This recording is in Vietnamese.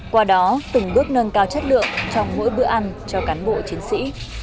qua đó từng bước nâng cao chất lượng trong mỗi bữa ăn cho cán bộ chiến sĩ